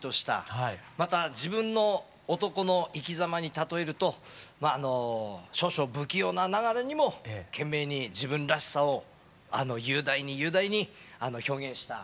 また自分の男の生きざまにたとえるとあの少々不器用ながらにも懸命に自分らしさを雄大に雄大に表現した一曲となっております。